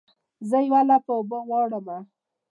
زه یوه لپه اوبه غواړمه